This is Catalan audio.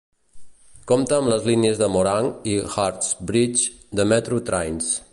Compta amb les línies de Morang i Hurstbridge de Metro Trains.